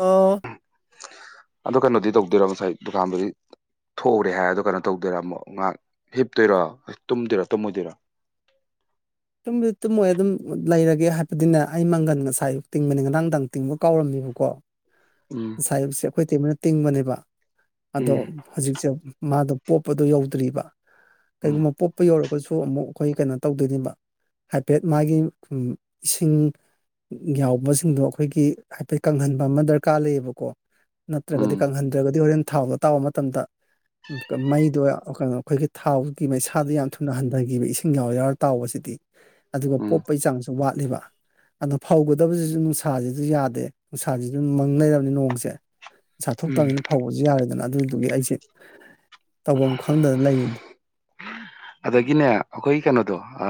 ꯎ ꯑꯣ ꯀꯩꯅꯣꯗꯤ ꯇꯧꯗꯣꯏꯔꯣ ꯉꯁꯥꯏ ꯗꯨꯀꯥꯟꯗꯨꯗꯤ ꯊꯣꯛꯎꯔꯦ ꯍꯥꯏꯔꯗꯣ ꯀꯩꯅꯣ ꯇꯧꯗꯣꯏꯔꯥ ꯑꯃꯨꯛ ꯉꯥꯏꯍꯥꯛ ꯍꯤꯞꯇꯣꯏꯔꯣ ꯇꯨꯝꯗꯣꯏꯔꯥ ꯇꯨꯝꯃꯣꯏꯗꯣꯏꯔꯣ ꯇꯨꯝꯕꯗꯤ ꯇꯨꯝꯃꯣꯏ ꯑꯗꯨꯝ ꯂꯩꯔꯒꯦ ꯍꯥꯏꯕꯗꯤꯅꯦ ꯑꯩ ꯃꯪꯒꯟ ꯉꯁꯥꯏ ꯑꯨꯛ ꯇꯤꯡꯕꯅꯤ ꯉꯔꯥꯡꯗꯪ ꯇꯤꯡꯕ ꯀꯥꯎꯔꯝꯃꯦꯕꯀꯣ ꯎꯝ ꯉꯁꯥꯏꯌꯨꯁꯦ ꯑꯩꯈꯣꯏ ꯇꯩꯃꯣꯏꯅ ꯇꯤꯡꯕꯅꯦꯕ ꯑꯗꯣ ꯎꯝ ꯍꯧꯖꯤꯛꯁꯦ ꯃꯥꯗꯣ ꯄꯣꯞꯄꯗꯨꯣ ꯌꯧꯗ꯭ꯔꯤꯕ ꯎꯝ ꯀꯩꯒꯨꯝꯕ ꯄꯣꯞꯄ ꯌꯧꯔꯒꯁꯨ ꯑꯃꯨꯛ ꯑꯩꯈꯣꯏ ꯀꯩꯅꯣ ꯇꯧꯗꯣꯏꯅꯦꯕ ꯍꯥꯏꯐꯦꯠ ꯃꯥꯒꯤ ꯏꯁꯤꯡ ꯌꯥꯎꯕꯁꯤꯡꯗꯣ ꯑꯩꯈꯣꯏꯒꯤ ꯍꯥꯏꯐꯦꯠ ꯀꯪꯍꯟꯕ ꯑꯃ ꯗꯔꯀꯥꯔ ꯂꯩꯌꯦꯕꯀꯣ ꯎꯝ ꯅꯠꯇ꯭ꯔꯒꯗꯤ ꯀꯪꯍꯟꯗ꯭ꯔꯒꯗꯤ ꯍꯣꯔꯦꯟ ꯊꯥꯎꯗꯣ ꯇꯥꯎꯕ ꯃꯇꯝꯗ ꯃꯩꯗꯣ ꯑꯈꯣꯏꯅ ꯑꯈꯣꯏꯒꯤ ꯊꯥꯎꯒꯤ ꯃꯩꯁꯥꯗꯨ ꯌꯥꯝ ꯊꯨꯅ ꯍꯟꯗꯒꯤꯕ ꯏꯁꯤꯡ ꯌꯥꯎꯔ ꯌꯥꯎꯔ ꯇꯥꯎꯕꯁꯤꯗꯤ ꯑꯗꯨꯒ ꯎꯝ ꯄꯣꯛꯄꯩ ꯆꯥꯡꯁꯨ ꯋꯥꯠꯂꯤꯕ ꯑꯗꯣ ꯐꯧꯒꯗꯕꯁꯤꯖꯨ ꯅꯨꯡꯁꯥꯖꯤꯖꯨ ꯌꯥꯗꯦ ꯅꯨꯡꯁꯥꯖꯤꯖꯨ ꯃꯪ ꯂꯩꯔꯝꯅꯤ ꯅꯣꯡꯁꯦ ꯆꯥꯊꯣꯛ ꯎꯝ ꯇꯖꯤꯟ ꯍꯧꯕꯖꯨ ꯌꯥꯔꯦꯗꯅ ꯑꯗꯨꯗꯨꯒꯤ ꯑꯩꯁꯦ ꯇꯧꯕꯝ ꯈꯪꯗꯅ ꯂꯩꯔꯤꯅꯤ ꯑꯗꯒꯤꯅꯦ ꯑꯈꯣꯏ ꯀꯩꯅꯣꯗꯣ ꯑ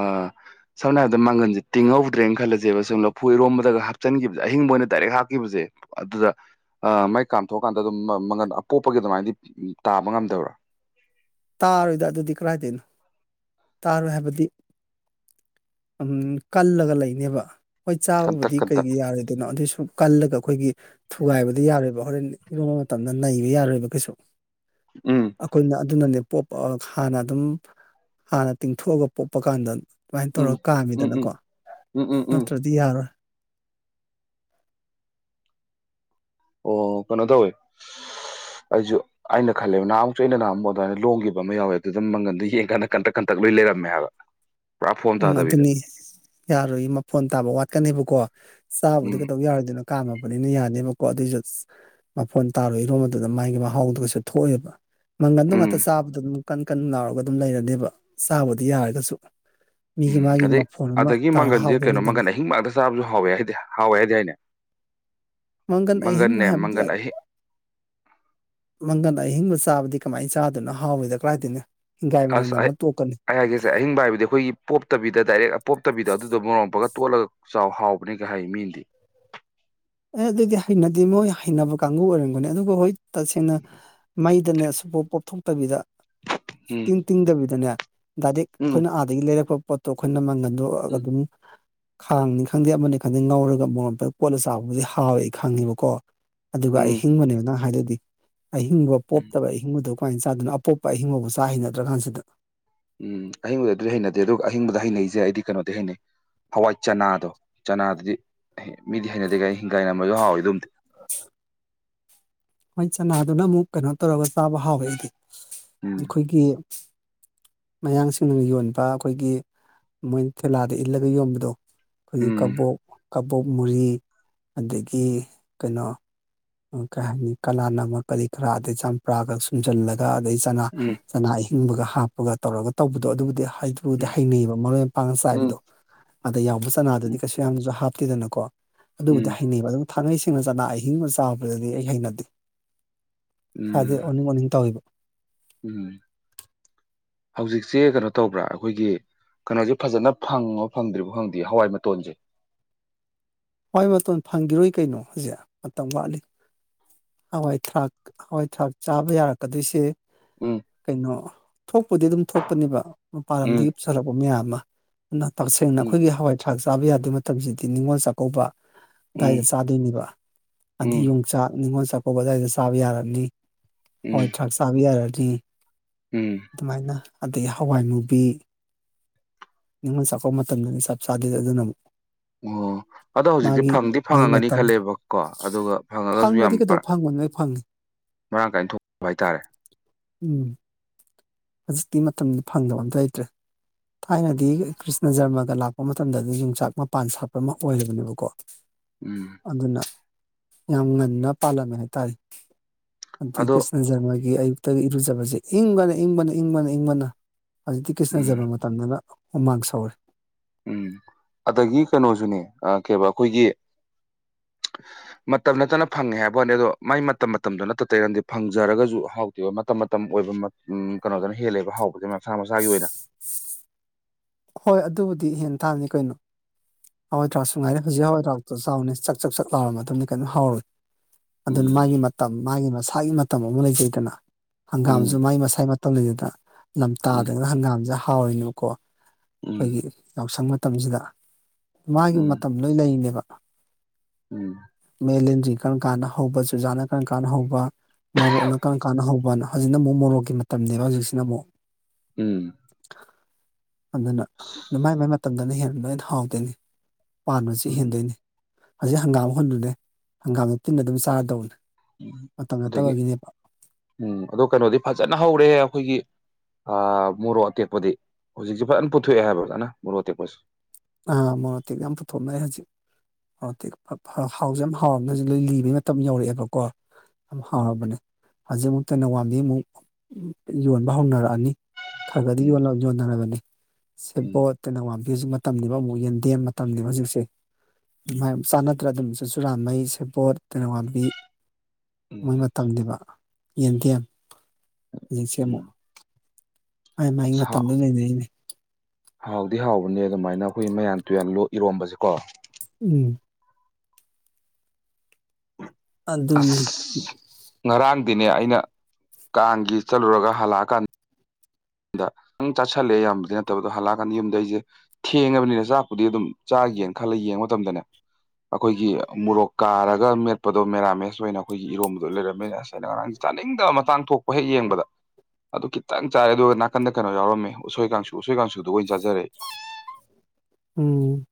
ꯁꯝꯅ ꯍꯥꯏꯕꯗ ꯃꯥꯡꯒꯟꯖꯦ ꯇꯤꯡꯍꯧꯗ꯭ꯔꯦꯡ ꯈꯜꯂꯖꯦꯕ ꯁꯨꯝ ꯂꯐꯨ ꯏꯔꯣꯝꯗꯒ ꯍꯥꯞꯆꯤꯟꯒꯤꯕꯖꯦ ꯑꯍꯤꯡꯕ ꯑꯣꯏꯅ ꯗꯥꯏꯔꯦꯛ ꯍꯥꯞꯈꯤꯕꯖꯦ ꯑꯗꯨꯗ ꯑ ꯃꯥꯏ ꯀꯥꯝꯊꯣꯛꯀꯥꯟꯗ ꯑꯗꯨꯝ ꯃ ꯃꯒꯟ ꯑꯄꯣꯛꯄꯒꯤ ꯑꯗꯨꯃꯥꯏꯅꯗꯤ ꯇꯥꯕ ꯉꯝꯗꯕ꯭ꯔ ꯇꯥꯔꯣꯏꯗ ꯑꯗꯨꯗꯤ ꯀꯗꯥꯥꯏꯗꯅꯣ ꯇꯥꯔꯣꯏ ꯍꯥꯏꯕꯗꯤ ꯎꯝ ꯀꯜꯂꯒ ꯂꯩꯅꯦꯕ ꯍꯣꯏ ꯀꯟꯇꯛ ꯆꯥꯕꯕꯨꯗꯤ ꯀꯟꯇꯛ ꯀꯩꯒꯤ ꯌꯥꯔꯣꯏꯗꯣꯏꯅꯣ ꯑꯗꯨꯏꯁꯨ ꯀꯜꯂꯒ ꯑꯩꯈꯣꯏꯒꯤ ꯊꯨꯒꯥꯏꯕꯗꯤ ꯌꯥꯔꯣꯏꯕ ꯍꯣꯔꯦꯟ ꯏꯔꯣꯟꯕ ꯃꯇꯝꯗ ꯅꯩꯕ ꯌꯥꯔꯣꯏꯕ ꯀꯩꯁꯨ ꯎꯝ ꯑꯩꯈꯣꯏꯅ ꯑꯗꯨꯅꯅꯦ ꯄꯣꯞ ꯍꯥꯟꯅ ꯑꯗꯨꯝ ꯍꯥꯟꯅ ꯇꯤꯡꯊꯣꯛꯑꯒ ꯄꯣꯞꯄ ꯀꯥꯟꯗ ꯑꯗꯨꯃꯥꯏꯅ ꯎꯝ ꯇꯧꯔꯒ ꯎꯝ ꯎꯝ ꯀꯥꯝꯃꯤꯗꯅꯀꯣ ꯎꯝ ꯎꯝ ꯎꯝ ꯅꯠꯇ꯭ꯔꯗꯤ ꯌꯥꯔꯣꯏ ꯑꯣ ꯀꯩꯅꯣ ꯇꯧꯋꯦ ꯑꯩꯖꯨ ꯑꯩꯅ ꯈꯜꯂꯦꯕ ꯅꯍꯥ ꯃꯨꯛꯁꯨ ꯑꯩꯅ ꯅꯍꯥꯝꯕꯨ ꯑꯗꯨꯃꯥꯏꯅ ꯂꯣꯡꯒꯤꯕ ꯑꯃ ꯌꯥꯎꯋꯦ ꯑꯗꯨ ꯗꯨꯝ ꯃꯪꯒꯟꯗꯣ ꯌꯦꯡ ꯀꯥꯟꯗ ꯀꯟꯇꯛ ꯀꯟꯇꯛ ꯂꯣꯏ ꯂꯩꯔꯝꯃꯦ ꯍꯥꯏꯕ [unintelligible] ꯎꯝ ꯇꯥꯗꯕꯤꯗ ꯑꯗꯨꯅꯤ ꯌꯥꯔꯣꯏꯌꯦ ꯃꯐꯣꯟ ꯇꯥꯕ ꯋꯥꯠꯀꯅꯦꯕꯀꯣ ꯆꯥꯕꯗꯤ ꯎꯝ ꯀꯩꯗꯧ ꯌꯥꯔꯣꯏꯗꯣꯏꯅꯣ ꯀꯥꯝꯃꯕꯅꯤꯅ ꯌꯥꯅꯦꯕꯀꯣ ꯑꯗꯨꯏꯖꯨ ꯃꯐꯣꯟ ꯇꯥꯔꯣꯏ ꯍꯤꯔꯣꯝ ꯃꯇꯗ ꯃꯥꯒꯤ ꯃꯍꯥꯎꯗꯨꯁꯨ ꯊꯣꯛꯑꯣꯏꯕ ꯃꯪꯒꯟꯗꯣ ꯉꯥꯇ ꯎꯝ ꯆꯥꯕꯗꯣ ꯑꯗꯨꯝ ꯀꯟ ꯀꯟ ꯂꯥꯎꯔꯒ ꯑꯗꯨꯝ ꯂꯩꯔꯅꯦꯕ ꯆꯥꯕꯗꯤ ꯌꯥꯔꯒꯁꯨ ꯃꯤꯒꯤ ꯎꯝ ꯃꯥꯒꯤ ꯑꯗꯩ ꯃꯐꯣꯟ ꯑꯃ ꯑꯗꯒꯤ ꯇꯥꯔ ꯃꯪꯒꯟꯖꯦ ꯀꯩꯅꯣ ꯍꯥꯎꯗꯧꯅꯤꯗꯅ ꯃꯪꯒꯟ ꯑꯍꯤꯡꯕ ꯉꯥꯛꯇ ꯆꯥꯕꯖꯨ ꯍꯥꯎꯋꯦ ꯍꯥꯏꯗꯦ ꯍꯥꯎꯋꯦ ꯍꯥꯏꯗꯥꯏꯅꯦ ꯃꯪꯒꯟ ꯑꯍꯤꯡꯕ ꯍꯥꯏꯕꯗꯦ ꯃꯪꯒꯟ ꯑꯍꯤꯡ ꯃꯪꯒꯟ ꯑꯍꯤꯡꯕ ꯆꯥꯕꯗꯤ ꯀꯃꯥꯏꯟ ꯆꯥꯗꯣꯅꯣ ꯍꯥꯎꯏꯗ ꯀꯔꯥꯏꯗꯤꯟꯅ ꯑꯁ ꯑꯩ ꯑꯩꯍꯥꯏꯒꯦ ꯑꯍꯤꯡꯕ ꯍꯥꯏꯕꯗꯤ ꯑꯈꯣꯏꯒꯤ ꯄꯣꯇꯕꯤꯗ ꯗꯥꯏꯔꯦꯛ ꯄꯣꯞꯇꯕꯤꯗ ꯑꯗꯨꯗꯣ ꯃꯣꯔꯣꯝꯄꯒ ꯇꯣꯠꯂꯒ ꯆꯥꯎ ꯍꯥꯎꯕꯅꯤꯒ ꯍꯥꯏ ꯃꯤꯟꯗꯤ ꯑꯦ ꯑꯗꯨꯗꯤ ꯍꯩꯅꯗꯤ ꯃꯣꯏ ꯍꯩꯅꯕ ꯀꯥꯡꯒꯨ ꯑꯣꯏꯔꯝꯒꯅꯤ ꯑꯗꯨꯒ ꯍꯣꯏꯠ ꯇꯁꯦꯡꯅ ꯃꯩꯗꯅꯦ ꯁꯨꯄꯣꯞ ꯄꯣꯞꯊꯣꯛꯇꯕꯤꯗ ꯎꯝ ꯁꯨꯛꯇꯤꯡ ꯇꯤꯡꯗꯕꯤꯗꯅꯦ ꯗꯥꯏꯔꯦꯛ ꯎꯝ ꯑꯈꯣꯏꯅ ꯑꯥꯗꯒꯤ ꯂꯩꯔꯛꯄ ꯄꯣꯠꯇꯣ ꯑꯈꯣꯏꯅ ꯃꯪꯒꯟ ꯎꯝ ꯑꯗꯨꯝ ꯈꯥꯡꯅꯤ ꯈꯪꯗꯦ ꯑꯃꯅꯤ ꯈꯪꯗꯦ ꯉꯧꯔꯒ ꯃꯣꯔꯣꯛ ꯃꯦꯠꯄ ꯀꯣꯠꯂ ꯆ ꯇꯥꯕꯨꯗꯤ ꯍꯥꯎꯋꯦ ꯈꯪꯉꯦꯕꯀꯣ ꯑꯗꯨꯒ ꯎꯝ ꯑꯍꯤꯡꯕꯅꯦꯕ ꯅ ꯍꯥꯏꯗꯨꯗꯤ ꯑꯍꯤꯡꯕ ꯎꯝ ꯄꯣꯞꯇꯕ ꯑꯍꯤꯡꯕꯗꯨ ꯀꯃꯥꯏꯟ ꯆꯥꯗꯣꯏꯅꯣ ꯑꯄꯣꯞꯄ ꯑꯍꯤꯡꯕꯧ ꯆꯥ ꯍꯩꯅꯗ꯭ꯔ ꯀꯥꯟꯖꯤꯗ ꯎꯝ ꯑꯍꯤꯡꯕ ꯑꯗꯨꯗꯤ ꯍꯩꯅꯗꯦ ꯑꯗꯨꯒ ꯑꯍꯤꯡꯕꯗ ꯍꯩꯅꯩꯖꯦ ꯑꯩꯗꯤ ꯀꯩꯅꯣꯗꯤ ꯍꯩꯅꯩ ꯍꯋꯥꯏ ꯆꯅꯥꯗꯣ ꯆꯅꯥꯗꯨꯗꯤ ꯃꯤꯗꯤ ꯍꯩꯅꯗꯦ ꯒꯥꯏ ꯍꯤꯡꯒꯥꯏ ꯅꯃꯁꯨ ꯍꯥꯎꯋꯦ ꯑꯗꯨꯝꯗꯤ [inaudible] ꯍꯣꯏ ꯆꯅꯥꯗꯨꯅ ꯑꯃꯨꯛ ꯀꯅꯣ ꯇꯧꯔꯒ ꯆꯥꯕ ꯍꯥꯎꯋꯦ ꯑꯩꯗꯤ ꯎꯝ ꯑꯩꯈꯣꯏꯒꯤ ꯃꯌꯥꯡꯁꯤꯡꯅ ꯌꯣꯟꯕ ꯑꯈꯣꯏꯒꯤ ꯃꯣꯏꯅ ꯊꯦꯂꯥꯗ ꯏꯜꯂꯒ ꯌꯣꯟꯕꯗꯣ ꯑꯈꯣꯏꯒꯤ ꯎꯝ ꯀꯕꯣꯛ ꯀꯕꯣꯛ ꯃꯣꯔꯤ ꯑꯗꯒꯤ ꯀꯟꯅꯣ ꯀꯂꯥ ꯅꯃꯛ ꯀꯔꯤ ꯀꯔꯥ ꯑꯗꯩ ꯆꯝꯄ꯭ꯔꯥꯒ ꯁꯨꯝꯖꯜꯂꯒ ꯑꯗꯩ ꯆꯅꯥ ꯎꯝ ꯀꯅꯥ ꯑꯍꯤꯡꯕꯒ ꯍꯥꯞꯄꯒ ꯇꯧꯔꯒ ꯇꯧꯕꯗꯣ ꯑꯗꯨꯕꯨꯗꯤ ꯍꯩꯊꯨꯗ ꯎꯝ ꯍꯩꯅꯩꯕ ꯃꯔꯣꯏ ꯃꯄꯥꯡ ꯆꯥꯏꯕꯗꯣ ꯑꯗ ꯌꯥꯎꯕ ꯆꯅꯥꯗꯨꯗꯤ ꯎꯝ ꯀꯩꯁꯨ ꯌꯥꯝꯖꯨ ꯍꯥꯞꯇꯦꯗꯅꯀꯣ ꯑꯗꯨꯕꯨꯗꯤ ꯎꯝ ꯍꯩꯅꯩꯕ ꯑꯗꯨꯝ ꯊꯥꯡꯉꯩ ꯁꯦꯡꯅ ꯆꯅꯥ ꯑꯍꯤꯡꯕ ꯆꯥꯕꯗꯗꯤ ꯑꯩ ꯍꯩꯅꯗꯦ ꯊꯥꯗꯦ ꯎꯝ ꯑꯣꯅꯤꯡ ꯑꯣꯅꯤꯡ ꯇꯧꯋꯤꯕ ꯎꯝ ꯍꯧꯖꯤꯛꯖꯦ ꯀꯅꯣ ꯇꯧꯕ꯭ꯔꯥ ꯑꯩꯈꯣꯏꯒꯤ ꯀꯅꯣꯖꯨ ꯐꯖꯅ ꯐꯪꯉꯣ ꯐꯪꯗ꯭ꯔꯤꯕꯥ ꯈꯣꯗꯤꯌꯦ ꯍꯋꯥꯏ ꯃꯇꯣꯟꯖꯦ ꯍꯣꯏ ꯃꯇꯣꯟ ꯐꯪꯒꯤꯔꯣꯏ ꯀꯩꯅꯣ ꯖꯦ ꯃꯇꯝ ꯋꯥꯠꯂꯤ ꯍꯋꯥꯏ ꯊꯔꯥꯛ ꯍꯋꯥꯏ ꯊꯔꯥꯛ ꯆꯥꯕ ꯌꯥꯔꯛꯀꯗꯣꯏꯁꯦ ꯎꯝ ꯀꯩꯅꯣ ꯊꯣꯛꯄꯗꯤ ꯑꯗꯨꯝ ꯊꯣꯛꯄꯅꯦꯕ ꯃꯄꯥꯟ ꯎꯝ ꯂꯝꯗꯒꯤ ꯀꯨꯞꯆꯔꯛꯄ ꯃꯌꯥꯝ ꯑꯃ ꯑꯗꯨꯅ ꯇꯁꯦꯡꯅ ꯎꯝ ꯑꯩꯈꯣꯏꯒꯤ ꯍꯋꯥꯏ ꯊꯔꯥꯛ ꯆꯥꯕ ꯌꯥꯗꯣꯏꯕ ꯃꯇꯝꯁꯤꯗꯤ ꯅꯤꯡꯉꯣꯜ ꯆꯥꯛ ꯀꯧꯕ ꯑꯗꯨꯗꯥꯏꯗ ꯎꯝ ꯆꯥꯗꯣꯏꯅꯦꯕ ꯑꯗꯤ ꯎꯝ ꯌꯣꯡꯆꯥꯛ ꯅꯤꯉꯣꯜ ꯆꯥꯛꯀꯧꯕꯗꯋꯥꯏꯗ ꯆꯥꯕ ꯌꯥꯔꯅꯤ ꯍꯋꯥꯏ ꯎꯝ ꯊꯔꯥꯛ ꯆꯥꯕ ꯌꯥꯔꯅꯤ ꯎꯝ ꯑꯗꯨꯃꯥꯏꯅ ꯑꯗꯩ ꯍꯋꯥꯏ ꯃꯨꯕꯤ ꯅꯤꯡꯅꯤꯉꯣꯜ ꯆꯥꯛꯀꯄ ꯃꯇꯝꯗꯗꯤ ꯆꯞ ꯆꯥꯗꯦ ꯑꯗꯨꯅ ꯑꯃꯨꯛ ꯑꯣ ꯑꯗꯣ ꯍꯧꯖꯤꯛꯇꯤ ꯃꯥꯒꯤ ꯐꯪꯗꯤ ꯃꯥꯒꯤ ꯐꯪꯉꯒꯅꯤ ꯃꯇꯝ ꯈꯜꯂꯦꯕꯀꯣ ꯑꯗꯨꯒ ꯐꯪꯉꯒꯁꯨ ꯌꯥꯝ ꯐꯪꯕꯗꯤ ꯀꯩꯗꯧ ꯄꯔ ꯐꯪꯕꯅꯣ ꯂꯣꯏ ꯐꯪꯉꯤ ꯍꯥꯏꯇꯥꯔꯦ ꯎꯝ ꯖꯤꯛꯇꯤ ꯃꯇꯝꯅ ꯐꯪꯗꯕ ꯑꯝꯇ ꯂꯩꯇ꯭ꯔꯦ ꯊꯥꯏꯅꯗꯤ ꯀ꯭ꯔꯤꯁꯅ ꯖꯔꯃꯒ ꯂꯥꯛꯄ ꯃꯇꯝꯗꯗꯤ ꯌꯣꯡꯆꯥꯛ ꯃꯄꯥꯟ ꯁꯥꯠꯄ ꯃꯛ ꯑꯣꯏꯔꯕꯅꯦꯕꯀꯣ ꯎꯝ ꯑꯗꯨꯅ ꯌꯥꯝ ꯉꯟꯅ ꯄꯥꯜꯂꯝꯃꯦ ꯍꯥꯏꯇꯥꯏ ꯑꯟꯇꯤ ꯑꯗꯣ ꯀ꯭ꯔꯤꯁꯅ ꯖꯔꯃꯒꯤ ꯑꯌꯨꯛꯇꯒꯤ ꯏꯔꯨꯖꯕꯖꯦ ꯏꯪꯕꯅ ꯏꯪꯕꯅ ꯏꯪꯕꯅ ꯏꯪꯕꯅ ꯍꯧꯖꯤꯛꯇꯤ ꯀ꯭ꯔꯤꯁꯅ ꯎꯝ ꯖꯔꯃ ꯃꯇꯝꯅꯤꯅ ꯍꯨꯃꯥꯡ ꯁꯧꯔꯦ ꯎꯝ ꯑꯗꯒꯤ ꯀꯩꯅꯣꯖꯨꯅꯦ ꯑ ꯀꯩꯕ ꯑꯩꯈꯣꯏꯒꯤ ꯃꯇꯝ ꯅꯠꯇꯅ ꯐꯪꯉꯦ ꯍꯥꯏꯕ ꯋꯥꯅꯤ ꯑꯗꯣ ꯃꯥꯏ ꯃꯇꯝ ꯃꯇꯝꯗꯣ ꯅꯠꯇ ꯇꯩꯌꯣꯟꯗꯤ ꯐꯪꯖꯔꯒꯖꯨ ꯍꯥꯎ ꯃꯇꯝ ꯃꯇꯝ ꯑꯣꯏꯕ ꯀꯩꯅꯣꯗꯅ ꯍꯦꯜꯂꯕ ꯍꯥꯎꯕꯗ ꯃꯁꯥ ꯃꯁꯥꯒꯤ ꯑꯣꯏꯅ ꯍꯣꯏ ꯑꯗꯨꯕꯨꯗꯤ ꯍꯦ ꯊꯥꯅꯤ ꯀꯩꯅꯣ ꯍꯋꯥꯏ ꯊꯔꯥꯛꯁꯨ ꯉꯥꯏꯔꯦ ꯍꯧꯖꯤꯛ ꯍꯋꯥꯏꯗꯔꯥꯛꯇꯁꯨ ꯆꯥꯎꯅꯤ ꯆꯥꯛ ꯆꯥꯛ ꯆꯥꯛ ꯂꯥꯎꯔꯕ ꯃꯇꯨꯡꯗꯤ ꯀꯩꯅꯝ ꯍꯥꯎꯔꯣꯏ ꯑꯗꯨꯅ ꯎꯝ ꯃꯥꯒꯤ ꯃꯇꯝ ꯃꯥꯒꯤ ꯃꯁꯥꯒꯤ ꯃꯇꯝ ꯑꯃ ꯂꯩꯖꯩꯗꯅ ꯍꯪꯒꯥꯝꯁꯨ ꯎꯝ ꯃꯥꯒꯤ ꯃꯁꯥꯒꯤ ꯃꯇꯝ ꯂꯩꯖꯩꯗꯅ ꯎꯝ ꯂꯝꯇꯥꯗꯅ ꯍꯪꯒꯥꯝꯁꯦ ꯍꯥꯎꯔꯤꯅꯩꯀꯣ ꯑꯩꯈꯣꯏꯒꯤ ꯎꯝ ꯌꯥꯎꯁꯪ ꯃꯇꯝꯁꯤꯗ ꯃꯥꯒꯤ ꯎꯝ ꯃꯇꯝ ꯂꯣꯏ ꯂꯩꯅꯦꯕ ꯎꯝ ꯃꯦꯂꯟꯗ꯭ꯔꯤ ꯀꯔꯝ ꯀꯥꯟꯅ ꯍꯧꯕ ꯆꯨꯖꯥꯅ ꯀꯔꯝ ꯀꯥꯟꯅ ꯍꯧꯕ ꯃꯣꯔꯣꯛꯅ ꯀꯔꯝ ꯀꯥꯟꯅ ꯍꯧꯕꯅ ꯍꯧꯖꯤꯛꯅ ꯑꯃꯨꯛ ꯃꯣꯔꯣꯛꯀꯤ ꯃꯇꯝꯅꯦꯕ ꯍꯧꯖꯤꯛꯁꯤꯅ ꯑꯃꯨꯛ ꯎꯝ ꯑꯗꯨꯅ ꯃꯥꯏ ꯃꯥꯏ ꯃꯇꯝꯗꯅ ꯍꯦꯟ ꯂꯣꯏꯅ ꯍꯥꯎꯗꯣꯏꯅꯤ ꯄꯥꯟꯕꯁꯨ ꯎꯝ ꯍꯦꯟꯗꯣꯏꯅꯤ ꯍꯧꯖꯤꯛ ꯍꯪꯒꯥꯝ ꯍꯨꯟꯂꯨꯅꯦ ꯍꯪꯒꯥꯝꯗ ꯇꯤꯟꯅ ꯑꯗꯨꯝ ꯆꯥꯔꯗꯧꯕꯅꯦ꯫ ꯎꯝ ꯑꯗꯒꯤ ꯎꯝ ꯑꯗꯣ ꯀꯩꯅꯣꯗꯤ ꯐꯖꯅ ꯍꯧꯔꯦ ꯑꯩꯈꯣꯏꯒꯤ ꯑ ꯃꯣꯔꯣꯛ ꯑꯇꯦꯛꯄꯗꯤ ꯍꯧꯖꯤꯛꯁꯦ ꯐꯖꯅ ꯄꯨꯊꯣꯛꯑꯦ ꯍꯥꯏꯕ ꯀꯥꯟꯅ ꯃꯣꯔꯣꯛ ꯑꯇꯦꯛꯄꯁꯦ꯫ ꯑꯥ ꯃꯦꯛ ꯑꯇꯦꯛꯄ ꯌꯥꯝ ꯄꯨꯊꯣꯛꯅꯔꯦ ꯍꯧꯖꯤꯛ ꯑꯣ ꯍꯥꯎꯁꯨ ꯌꯥꯝ ꯍꯥꯎꯔꯝꯒꯁꯨ ꯂꯣꯏ ꯂꯤꯕꯩ ꯃꯇꯝ ꯌꯧꯔꯛꯑꯦꯕꯀꯣ ꯌꯥꯝ ꯎꯝ ꯍꯥꯎꯔꯕꯅꯦ ꯍꯧꯖꯤꯛ ꯑꯃꯨꯛ ꯇꯅꯋꯥꯡꯗꯤ ꯑꯃꯨꯛ ꯌꯣꯟꯕ ꯍꯧꯅꯔꯛꯑꯅꯤ ꯈꯔ ꯈꯗꯤ ꯎꯝ ꯌꯣꯟꯅꯔꯕꯅꯤ ꯎꯝ ꯁꯦꯕꯣꯠ ꯇꯩꯅ ꯋꯥꯝꯕꯤꯁꯨ ꯃꯇꯝꯅꯤꯕ ꯑꯃꯨꯛ ꯌꯦꯟꯗꯦꯝ ꯃꯇꯝꯅꯤꯕ ꯍꯧꯖꯤꯛꯁꯦꯌꯥꯝ ꯆꯅ ꯅꯠꯇ꯭ꯔ ꯑꯗꯨꯝꯁꯨ ꯆꯨꯔꯥꯥꯟꯃꯩ ꯁꯦꯄꯣꯠ ꯇꯔꯋꯥꯡꯕꯤ ꯃꯣꯏ ꯎꯝ ꯃꯇꯝꯅꯦꯕ ꯌꯦꯟꯗꯦꯝ ꯍꯧꯖꯤꯛꯁꯦ ꯑꯃꯨꯛ ꯎꯝ ꯃ ꯃꯥꯥꯏ ꯁꯥ ꯃꯇꯝꯗꯨ ꯂꯩꯅꯩꯅꯦ ꯍꯥꯎꯗꯤ ꯍꯥꯎꯕꯅꯦ ꯑꯗꯨꯃꯥꯏꯅ ꯑꯩꯈꯣꯏ ꯃꯌꯥꯟ ꯇꯨꯌꯥꯟ ꯏꯔꯣꯝꯕꯁꯦꯀꯣ ꯎꯝ ꯑꯁ ꯑꯗꯨꯅꯤ ꯉꯔꯥꯡꯗꯤꯅꯦ ꯑꯩꯅ ꯀꯥꯡꯒꯤ ꯆꯠꯂꯨꯔꯒ ꯍꯜꯂꯛꯑꯀꯥꯟ ꯗ ꯈꯤꯇꯪ ꯆꯥꯁꯤꯜꯂꯦ ꯌꯥꯝꯕꯗꯤ ꯅꯠꯇꯕ ꯍꯜꯂꯛꯑꯀꯥꯟꯗ ꯌꯨꯝꯗ ꯑꯩꯁꯦ ꯊꯦꯡꯉꯅꯤꯅ ꯆꯥꯛꯄꯨꯗꯤ ꯑꯗꯨꯝ ꯆꯥ ꯌꯦꯡ ꯈꯜꯂꯒ ꯌꯦꯡꯕ ꯃꯇꯝꯗꯅꯦ ꯑꯩꯈꯣꯏꯒꯤ ꯃꯣꯔꯣꯛ ꯀꯥꯔꯒ ꯃꯦꯠꯄꯗꯣ ꯃꯦꯔꯥꯃꯦꯁ ꯑꯣꯏꯅ ꯑꯩꯈꯣꯏꯒꯤ ꯏꯔꯣꯝꯕꯗꯣ ꯂꯩꯔꯝꯃꯤꯅ ꯑꯁ ꯑꯩꯅ ꯉꯔꯥꯡꯁꯦ ꯆꯥꯅꯤꯡꯗꯕ ꯃꯇꯥꯡ ꯊꯣꯛꯄ ꯍꯦꯛ ꯌꯦꯡꯕꯗ ꯑꯗꯨ ꯈꯤꯇꯪ ꯆꯥꯏꯔꯦ ꯑꯗꯨ ꯅꯥꯀꯟꯗ ꯀꯩꯅꯣ ꯌꯥꯎꯔꯝꯃꯦ ꯎꯁꯣꯏ ꯀꯥꯡꯁꯨ ꯎꯁꯣꯏ ꯀꯥꯡꯁꯨꯗꯣ ꯑꯣꯏꯅꯥ ꯆꯥꯖꯔꯦ꯫ ꯎꯝ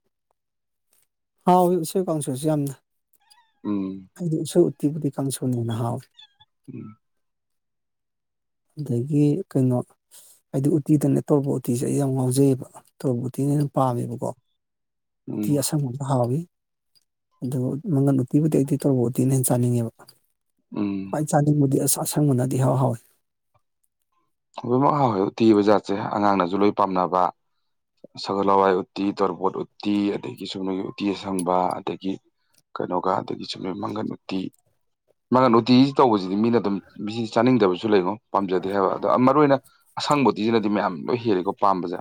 ꯍꯥꯎꯏ ꯎꯁꯦꯏ ꯀꯥꯡꯁꯨꯁꯨ ꯌꯥꯝꯅ ꯎꯝ ꯑꯩꯗꯤ ꯎꯁꯣꯏ ꯎꯇꯤ ꯕꯨꯗꯤ ꯀꯥꯡꯁꯨꯅ ꯍꯦꯟꯅ ꯍꯥꯎꯋꯦ ꯎꯝ ꯑꯗꯒꯤ ꯀꯩꯅꯣ ꯍꯥꯏꯗꯤ ꯎꯇꯤꯗꯅ ꯇꯧꯔꯣꯕꯣꯠ ꯎꯇꯤꯁꯦ ꯑꯩ ꯌꯥꯝ ꯉꯥꯎꯖꯩꯌꯦꯕ ꯇꯣꯕꯣꯠ ꯎꯇꯤꯅ ꯍꯦꯟꯅ ꯄꯥꯝꯃꯦꯕꯀꯣ ꯎꯇꯤ ꯎꯝ ꯑꯁꯪꯕ ꯍꯥꯎꯋꯤ ꯑꯗꯨ ꯃꯪꯒꯟ ꯎꯇꯤꯕꯨꯗꯤ ꯑꯩꯗꯤ ꯇꯣꯔꯕꯣꯠ ꯎꯇꯤꯅ ꯍꯦꯟꯅ ꯆꯥꯅꯤꯡꯉꯦꯕ ꯎꯝ ꯈꯋꯥꯏ ꯆꯥꯅꯤꯡꯕꯗꯤ ꯑꯁꯪ ꯑꯁꯪꯕꯅꯗꯤ ꯏꯍꯥꯎ ꯍꯥꯎꯋꯦ ꯂꯣꯏꯃꯛ ꯍꯥꯎ ꯎꯠꯇꯤ ꯍꯥꯏꯕ ꯖꯥꯠꯁꯦ ꯑꯉꯥꯡꯅꯁꯨ ꯂꯣꯏ ꯄꯥꯝꯅꯕ ꯁꯒꯣꯜ ꯍꯋꯥꯏ ꯎꯠꯇꯤ ꯇꯣꯔꯕꯣꯠ ꯎꯇꯤ ꯑꯗꯒꯤ ꯆꯨꯝꯅꯒꯤ ꯎꯇꯤ ꯑꯁꯪꯕ ꯑꯗꯒꯤ ꯀꯩꯅꯣꯒ ꯑꯗꯒꯤ ꯆꯨꯞꯝꯅꯒꯤ ꯃꯪꯒꯟ ꯎꯇꯤ ꯃꯥꯒꯟ ꯎꯇꯤꯁꯤ ꯇꯧꯕꯁꯤꯗꯤ ꯃꯤꯅ ꯑꯗꯨꯝ ꯃꯤꯁꯤ ꯆꯥꯅꯤꯡꯗꯕꯁꯨ ꯂꯩꯉꯣ ꯄꯥꯝꯖꯗꯦ ꯍꯥꯏꯕ ꯑꯗꯣ ꯃꯔꯨ ꯑꯣꯏꯅ ꯑꯁꯪꯕ ꯎꯇꯤꯁꯤꯅꯗꯤ ꯃꯌꯥꯝ ꯂꯣꯏ ꯍꯦꯜꯂꯤꯀꯣ ꯄꯥꯝꯕꯁꯦ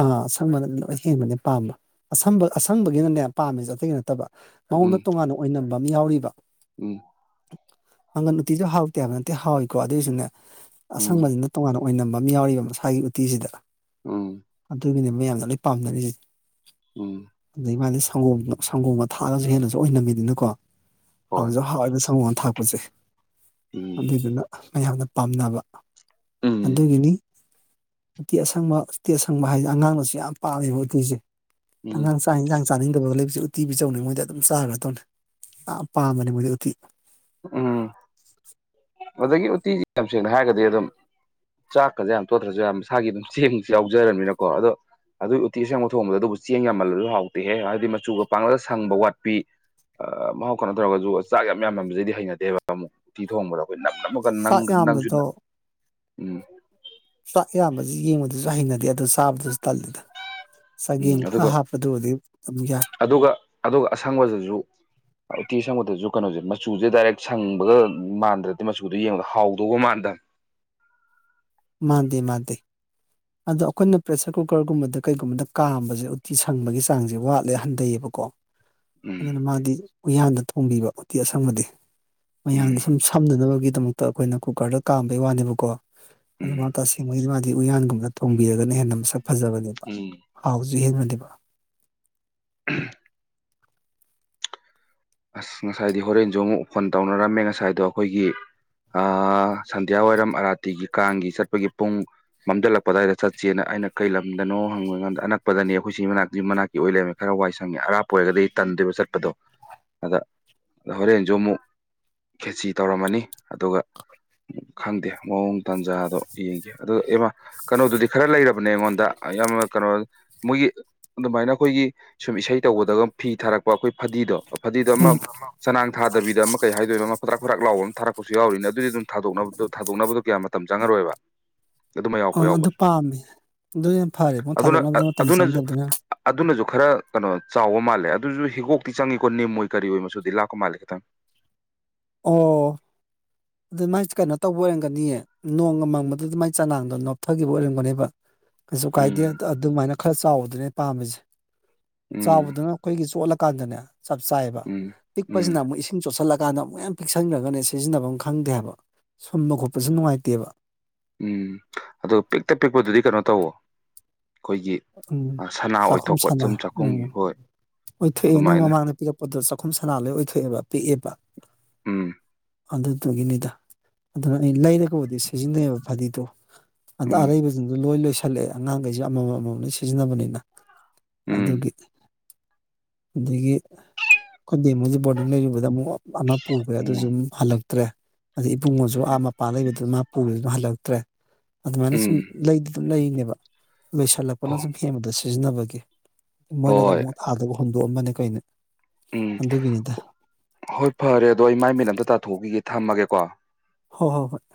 ꯑꯥ ꯑꯁꯪꯕꯅꯗꯤ ꯂꯣꯏ ꯍꯦꯟꯕꯅꯦ ꯄꯥꯝꯕ ꯑꯁꯕ ꯑꯁꯪꯕꯒꯤꯅꯅꯦ ꯄꯥꯝꯃꯦꯁꯦ ꯑꯇꯩꯒꯤ ꯅꯠꯇꯕ ꯃꯉꯣꯟꯗ ꯎꯝ ꯇꯣꯉꯥꯟꯅ ꯑꯣꯏꯅꯝꯕ ꯑꯃ ꯌꯥꯎꯔꯤꯕ ꯎꯝ ꯃꯪꯒꯟ ꯎꯇꯤꯁꯨ ꯍꯥꯎꯇꯦ ꯍꯥꯏꯕ ꯅꯠꯇꯦ ꯍꯥꯎꯋꯏꯀꯣ ꯑꯗꯨꯑꯣꯏꯁꯨꯅꯦ ꯎꯝ ꯑꯁꯪꯕꯁꯤꯅ ꯇꯣꯉꯥꯟꯅ ꯑꯣꯏꯅꯝꯕ ꯑꯃ ꯌꯥꯎꯔꯤꯕ ꯃꯁꯥꯒꯤ ꯎꯇꯤꯁꯤꯗ ꯎꯝ ꯑꯗꯨꯒꯤꯅꯦ ꯃꯌꯥꯝꯅ ꯂꯣꯏ ꯄꯥꯝꯅꯔꯤꯖꯤ ꯎꯝ ꯑꯗꯩ ꯃꯥꯗꯤ ꯁꯪꯒꯣꯝ ꯁꯪꯒꯣꯝꯒ ꯊꯥꯛꯑꯒꯁꯨ ꯍꯦꯟꯅꯁꯨ ꯑꯣꯏꯅꯝꯃꯤꯗꯅꯀꯣ ꯍꯣꯏ ꯍꯥꯎꯖꯨ ꯍꯥꯎ ꯍꯥꯎꯋꯥꯏꯕ ꯁꯒꯣꯜ ꯊꯥꯛꯄꯁꯦ ꯎꯝ ꯑꯗꯨꯏꯗꯨꯅ ꯃꯌꯥꯝꯅ ꯄꯥꯝꯅꯕ ꯎꯝ ꯑꯗꯨꯒꯤꯅꯤ ꯎꯇꯤ ꯑꯁꯪꯕ ꯎꯇꯤ ꯑꯁꯪꯕ ꯍꯥꯏꯁꯦ ꯑꯉꯥꯡꯅꯁꯨ ꯌꯥꯝ ꯄꯥꯝꯃꯦꯕ ꯎꯇꯤꯁꯦ ꯎꯝ ꯑꯉꯥꯡ ꯆꯥꯛ ꯌꯦꯟꯁꯥꯡ ꯆꯥꯅꯤꯡꯗꯕꯒ ꯂꯩꯕꯕꯁꯦ ꯎꯇꯤ ꯄꯤꯖꯧꯅꯦ ꯃꯣꯏꯗꯤ ꯑꯗꯨꯝ ꯆꯥꯈ꯭ꯔꯗꯧꯅꯦ ꯌꯥꯝ ꯄꯥꯝꯕꯅꯦ ꯃꯣꯏꯗꯤ ꯎꯇꯤ ꯎꯝ ꯑꯗꯒꯤ ꯎꯇꯤꯁꯤ ꯌꯥꯝ ꯁꯦꯡꯅ ꯍꯥꯏꯔꯒꯗꯤ ꯑꯗꯨꯝ ꯆꯥꯛꯀꯁꯦ ꯌꯥꯝ ꯇꯣꯠꯇ꯭ꯔꯁꯨ ꯃꯁꯥꯒꯤ ꯑꯗꯨꯝ ꯆꯦꯡꯁꯨ ꯌꯥꯎꯖꯔꯕꯅꯤꯅꯀꯣ ꯑꯗꯣ ꯑꯗꯨꯏ ꯎꯇꯤ ꯑꯁꯦꯡꯕ ꯊꯣꯡꯕꯗ ꯑꯗꯨꯕꯨ ꯆꯦꯡ ꯌꯥꯝꯃꯜꯂꯁꯨ ꯍꯥꯎꯇꯦꯍꯦ ꯍꯥꯏꯕꯗꯤ ꯃꯆꯨꯒ ꯄꯥꯡꯒꯜꯗ ꯁꯪꯕ ꯋꯥꯠꯄꯤ ꯃꯍꯥꯎ ꯈꯣꯟꯠꯅ ꯇꯧꯔꯒꯁꯨ ꯆꯥꯛ ꯌꯥꯝ ꯌꯥꯝ ꯅꯕꯁꯤꯗꯤ ꯍꯩꯅꯗꯦꯕ ꯑꯃꯨꯛ ꯇꯤ ꯊꯣꯡꯕꯗ ꯑꯩꯈꯣꯏ ꯅꯝ ꯅꯝ ꯅꯪ ꯆꯥꯛ ꯅꯪꯁꯨ ꯌꯥꯝꯕꯗꯣ ꯎꯝ ꯆꯥꯛ ꯏꯌꯥꯝꯕꯁꯤ ꯌꯦꯡꯕꯗꯨꯁꯨ ꯍꯩꯅꯗꯦ ꯑꯗꯨ ꯆꯥꯕꯗꯨꯁꯨ ꯇꯜꯂꯤꯗ ꯎꯝ ꯆꯒꯦꯡ ꯈꯔ ꯑꯗꯨꯒ ꯍꯥꯞꯄꯗꯨꯕꯨꯗꯤ ꯑꯗꯨꯝ ꯌꯥꯏ ꯑꯗꯨꯒ ꯑꯗꯨꯒ ꯑꯁꯪꯕꯗꯖꯨ ꯎꯇꯤ ꯁꯪꯕꯗꯁꯨ ꯀꯩꯅꯣꯁꯦ ꯃꯆꯨꯁꯦ ꯗꯥꯏꯔꯦꯛ ꯁꯪꯕꯒ ꯃꯥꯟꯗ꯭ꯔꯗꯤ ꯃꯆꯨꯗꯣ ꯌꯦꯡꯕꯗ ꯍꯥꯎꯗꯧꯕ ꯃꯥꯟꯗꯕꯅꯦ ꯃꯥꯥꯟꯗꯦ ꯃꯥꯟꯗꯦ ꯑꯗꯣ ꯑꯩꯈꯣꯏꯅ ꯄ꯭ꯔꯦꯁꯔ ꯀꯨꯀꯔꯒꯨꯝꯕꯗ ꯀꯩꯒꯨꯝꯕꯗ ꯀꯥꯝꯕꯁꯦ ꯎꯇꯤ ꯁꯪꯕꯒꯤ ꯆꯥꯡꯁꯦ ꯋꯥꯠꯂꯦ ꯍꯟꯊꯩꯌꯦꯕꯀꯣ ꯎꯝ ꯑꯗꯨꯅ ꯃꯥꯗꯤ ꯎꯌꯥꯟꯗ ꯊꯣꯡꯕꯤꯕ ꯎꯇꯤ ꯑꯁꯪꯕꯗꯤ ꯃꯌꯥꯟꯗ ꯎꯝ ꯁꯨꯝ ꯐꯝꯅꯅꯕꯒꯤꯗꯃꯛꯇ ꯑꯩꯈꯣꯏꯅ ꯀꯨꯀꯔꯗ ꯀꯥꯝꯕꯩ ꯋꯥꯅꯦꯕꯀꯣ ꯑꯗꯨ ꯎꯝ ꯃꯥ ꯇꯁꯦꯡꯕꯩꯗꯤ ꯃꯥꯗꯤ ꯎꯌꯥꯟꯒꯨꯝꯕꯗ ꯊꯣꯡꯕꯤꯔꯒꯅ ꯍꯦꯟꯅ ꯃꯁꯛ ꯐꯖꯕꯅꯦꯕ ꯎꯝ ꯍꯥꯎꯁꯨ ꯍꯦꯟꯕꯅꯦꯕ ꯑꯁ ꯉꯁꯥꯏꯗꯤ ꯍꯣꯔꯦꯟꯁꯨ ꯑꯃꯨꯛ ꯐꯣꯟ ꯇꯧꯅꯔꯝꯃꯦ ꯉꯁꯥꯏꯗꯣ ꯑꯩꯈꯣꯏꯒꯤ ꯑꯥ ꯁꯟꯗ꯭ꯌꯥ ꯋꯥꯏꯔꯝ ꯑꯔꯥꯇꯤꯒꯤ ꯀꯥꯡꯒꯤ ꯆꯠꯄꯒꯤ ꯄꯨꯡ ꯃꯝꯁꯤꯜꯂꯛꯄꯗꯋꯥꯏꯗ ꯆꯠꯁꯦꯅ ꯑꯩꯅ ꯀꯩ ꯂꯝꯗꯅꯣ ꯍꯪꯕꯀꯥꯟꯗ ꯑꯅꯛꯄꯗꯅꯤ ꯑꯩꯈꯣꯏ ꯁꯤ ꯃꯅꯥꯛꯇ ꯃꯅꯥꯛ ꯒꯤ ꯑꯣꯏ ꯂꯩꯔꯝꯃꯦ ꯈꯔ ꯋꯥꯏ ꯁꯪꯉꯦ ꯑꯔꯥꯞꯄ ꯑꯣꯏꯔꯒꯗꯤ ꯇꯟꯗꯣꯏꯕ ꯆꯠꯄꯗꯣ ꯑꯗ ꯍꯣꯔꯦꯟꯁꯨ ꯑꯃꯨꯛ ꯈ꯭ꯔꯦꯆꯤ ꯇꯧꯔꯝꯃꯅꯤ ꯑꯗꯨꯒ ꯈꯪꯗꯦ ꯃꯑꯣꯡ ꯇꯥꯟꯖꯥꯗꯣ ꯌꯦꯡꯈꯤ ꯑꯗꯨ ꯏꯃ ꯀꯩꯅꯣꯗꯨꯗꯤ ꯈꯔ ꯂꯩꯔꯕꯅꯦ ꯑꯩꯉꯣꯟꯗ ꯌꯥꯝ ꯀꯩꯅꯣ ꯃꯣꯏꯒꯤ ꯑꯗꯨꯃꯥꯏꯅ ꯑꯩꯈꯣꯏꯒꯤ ꯁꯨꯝ ꯏꯁꯩ ꯇꯧꯕꯗꯒ ꯐꯤ ꯊꯥꯔꯛꯄ ꯑꯩꯈꯣꯏ ꯐꯗꯤꯗꯣ ꯐꯗꯤꯗꯣ ꯑꯃ ꯎꯝ ꯆꯅꯥꯡ ꯊꯥꯗꯕꯤꯗ ꯑꯃ ꯀꯩ ꯍꯥꯏꯗꯣꯏꯅꯣ ꯑꯃ ꯐꯗ꯭ꯔꯥꯛ ꯐꯊꯔꯥꯛ ꯂꯥꯎꯕ ꯑꯃ ꯊꯥꯔꯛꯄꯁꯨ ꯌꯥꯎꯔꯤꯅꯦ ꯑꯗꯨꯗꯤ ꯑꯗꯨꯝ ꯊꯥꯗꯣꯛꯅꯕꯗ ꯊꯥꯗꯣꯛꯅꯕꯗꯣ ꯀꯌꯥ ꯃꯇꯝ ꯆꯪꯉꯔꯣꯏꯕ ꯑꯗꯨꯃ ꯌꯥꯎꯔꯛꯄ ꯑꯥ ꯑꯗꯨ ꯌꯥꯎꯕꯅꯦ ꯄꯥꯝꯃꯦ ꯑꯗꯨꯅ ꯍꯦꯟꯅ ꯐꯔꯦ ꯑꯗꯨꯅ ꯊꯥꯗꯣꯛꯅꯕꯗ ꯃꯇꯝ ꯑꯗꯨꯅꯁꯨ ꯆꯪꯗꯔꯗꯨꯅ ꯑꯗꯨꯅꯁꯨ ꯈꯔ ꯀꯩꯅꯣ ꯆꯥꯎꯕ ꯃꯥꯜꯂꯦ ꯑꯗꯨꯁꯨ ꯍꯤꯒꯣꯛꯇꯤ ꯆꯪꯉꯤ ꯅꯤꯝ ꯑꯣꯏ ꯀꯔꯤ ꯑꯣꯏ ꯃꯆꯨꯗꯤ ꯂꯥꯛꯀ ꯃꯥꯜꯂꯤ ꯈꯤꯇꯪ ꯑꯣ ꯑꯗꯨ ꯃꯥꯏꯁ ꯀꯩꯅꯣ ꯇꯧꯕ ꯑꯣꯏꯔꯝꯒꯅꯤꯌꯦ ꯅꯣꯡꯃ ꯃꯪꯕꯗꯨꯗ ꯃꯥꯏ ꯆꯅꯥꯡꯗꯣ ꯅꯣꯞꯊꯈꯤꯕ ꯑꯣꯏꯔꯝꯒꯅꯦꯕ ꯀꯩꯁꯨ ꯀꯥꯏꯗꯦ ꯎꯝ ꯑꯗꯨꯃꯥꯏꯅ ꯈꯔ ꯆꯥꯎꯕꯗꯨꯅꯦ ꯄꯥꯝꯃꯤꯁꯦ ꯎꯝ ꯆꯥꯎꯕꯗꯨꯅ ꯑꯩꯈꯣꯏꯒꯤ ꯆꯣꯠꯂꯀꯥꯟꯗꯅꯦ ꯆꯞ ꯆꯥꯏꯑꯦꯕ ꯎꯝ ꯎꯝ ꯄꯤꯛꯄꯁꯤꯅ ꯑꯃꯨꯛ ꯏꯁꯤꯡ ꯆꯣꯠꯁꯤꯜꯂ ꯀꯥꯟꯗ ꯑꯃꯨꯛ ꯃ ꯄꯤꯛꯁꯟꯈ꯭ꯔꯒꯅꯦ ꯁꯤꯖꯤꯟꯅꯐꯝ ꯑꯃ ꯈꯪꯗꯦ ꯍꯥꯏꯕ ꯁꯨꯝꯕ ꯈꯣꯠꯄꯁꯨ ꯅꯨꯡꯉꯥꯏꯇꯦꯕ ꯎꯝ ꯑꯣ ꯄꯤꯛꯇ ꯄꯤꯛꯄꯗꯨꯗꯤ ꯀꯩꯅꯣ ꯇꯧꯋ ꯑꯩꯈꯣꯏꯒꯤ ꯎꯝ ꯑ ꯁꯅꯥ ꯆꯈꯨꯝ ꯑꯣꯏꯊꯣꯛꯄ ꯁꯅ ꯆꯨꯝ ꯎꯝ ꯆꯥꯛꯈꯨꯝꯒꯤ ꯍꯣꯏ ꯍꯣꯏ ꯊꯛꯑꯦ ꯅꯪ ꯑꯗꯨꯃꯥꯏꯅ ꯃꯃꯥꯡꯗ ꯄꯤꯔꯛ ꯑꯗꯣ ꯆꯥꯛꯈꯨꯝ ꯁꯅꯥ ꯂꯣꯏ ꯑꯣꯏꯊꯣꯛꯑꯦꯕ ꯄꯤꯛꯑꯦꯕ ꯎꯝ ꯑꯗꯨꯗꯨꯒꯤꯅꯤꯗ ꯑꯗꯨꯅ ꯑꯩ ꯂꯩꯔꯒꯕꯨꯗꯤ ꯁꯤꯖꯤꯟꯅꯩꯑꯕ ꯐꯗꯤꯗꯣ ꯑꯗ ꯎꯝ ꯑꯔꯩꯕꯁꯤꯡꯗꯣ ꯂꯣꯏ ꯂꯣꯏꯁꯤꯜꯂꯛꯑꯦ ꯑꯉꯥꯡꯈꯩꯁꯦ ꯑꯃꯃꯝ ꯑꯃꯃꯝ ꯂ ꯁꯤꯖꯤꯟꯅꯕꯅꯤꯅ ꯎꯝ ꯑꯗꯨꯒꯤ ꯑꯗꯒꯤ ꯑꯩꯈꯣꯏꯗ ꯃꯣꯏꯁ ꯕꯣꯔꯗꯤꯡ ꯂꯩꯔꯨꯕꯗ ꯑꯃꯨꯛ ꯑꯃ ꯄꯨꯈ꯭ꯔꯦ ꯎꯝ ꯑꯗꯨꯁꯨꯨꯝ ꯍꯜꯂꯛꯇ꯭ꯔꯦ ꯑꯗꯩ ꯏꯕꯨꯡꯉꯁꯨ ꯑꯥ ꯃꯄꯥ ꯂꯩꯕꯗꯨ ꯃꯥ ꯄꯨꯕꯗꯨꯅ ꯍꯜꯂꯛꯇ꯭ꯔꯦ ꯑꯗꯨꯃꯥꯏꯅ ꯁꯨꯝ ꯎꯝ ꯂꯩꯗꯤ ꯑꯗꯨꯝ ꯂꯩꯅꯦꯕ ꯂꯣꯏꯁꯤꯜꯂꯛꯄ ꯍꯣ [unintelligible] ꯁꯨꯝ ꯍꯦꯟꯕꯗꯣ ꯁꯤꯖꯤꯟꯅꯕꯒꯤ ꯃꯣꯏꯅꯒ ꯍꯣꯏ ꯑꯃꯨꯛ ꯑꯥꯗꯒ ꯍꯨꯟꯗꯣꯛꯑꯝꯃꯅꯦ ꯀꯩꯩꯅꯦ ꯎꯝ ꯑꯗꯨꯒꯤꯅꯤꯗ ꯍꯣꯏ ꯐꯔꯦ ꯑꯗꯣ ꯑꯩ ꯃꯥꯏ ꯃꯤꯠ ꯑꯝꯇ ꯇꯥꯊꯣꯛꯈꯤꯒꯦ ꯊꯝꯃꯒꯦꯀꯣ ꯍꯣ ꯍꯣ ꯍꯣꯏ